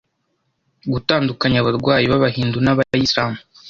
gutandukanya abarwayi b’aahindu n’abayislam